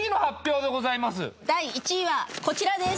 第１位はこちらです